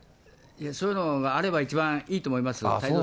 そういうのがあれば一番いいと思います。